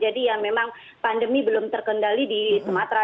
jadi ya memang pandemi belum terkendali di sumatra